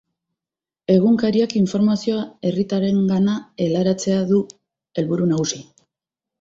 Egunkariak informazioa herritarrengana helaraztea du helburu nagusi.